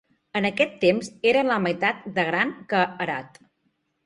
En aquest temps era la meitat de gran que Herat.